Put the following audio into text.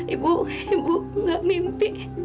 ibu ibu gak mimpi